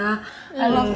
i love you muah